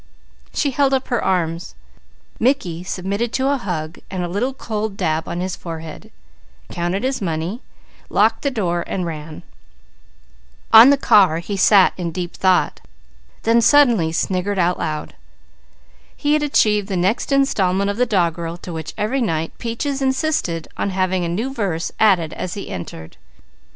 She held up her arms. Mickey submitted to a hug and a little cold dab on his forehead, counted his money, locked the door and ran. On the car he sat in deep thought, then suddenly sniggered aloud. He had achieved the next installment of the doggerel to which every night Peaches insisted on having a new verse added as he entered.